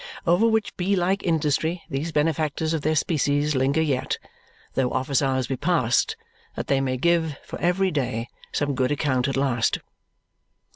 Over which bee like industry these benefactors of their species linger yet, though office hours be past, that they may give, for every day, some good account at last.